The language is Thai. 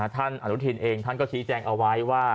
ท่านอาณุทินเองก็ชี้แจ้งเอาไว้ว่า